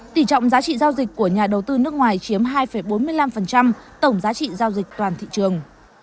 tỷ trọng giá trị giao dịch của nhà đầu tư nước ngoài chiếm hai bốn mươi năm tổng giá trị giao dịch toàn thị trường